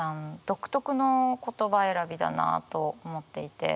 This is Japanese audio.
独特の言葉選びだなと思っていて。